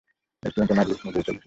রেস্টুরেন্টের মালিক নিজেই চলে এসেছে।